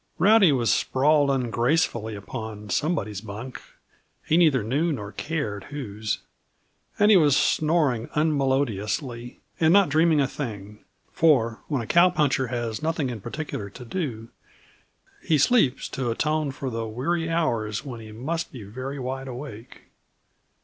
Rowdy was sprawled ungracefully upon somebody's bunk he neither knew nor cared whose and he was snoring unmelodiously, and not dreaming a thing; for when a cow puncher has nothing in particular to do, he sleeps to atone for the weary hours when he must be very wide awake.